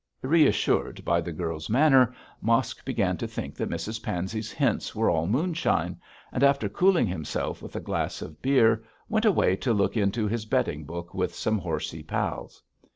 Reassured by the girl's manner, Mosk began to think that Mrs Pansey's hints were all moonshine, and after cooling himself with a glass of beer, went away to look into his betting book with some horsey pals.